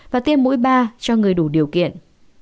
và tiêm mũi ba cho người đủ điều kiện